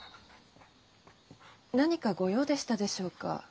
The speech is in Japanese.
何かご用でしたでしょうか？